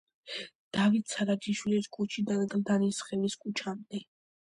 დავით სარაჯიშვილის ქუჩიდან გლდანისხევის ქუჩამდე.